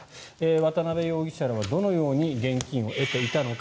渡邉容疑者らはどのように現金を得ていたのか。